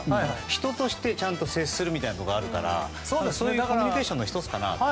人としてちゃんと接するみたいなところがあるからコミュニケーションの１つかなと。